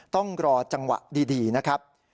ต้องรอจังหวะดีนะครับ